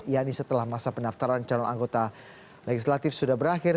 yakni setelah masa pendaftaran calon anggota legislatif sudah berakhir